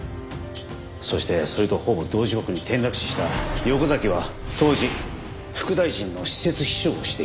そしてそれとほぼ同時刻に転落死した横崎は当時副大臣の私設秘書をしていた。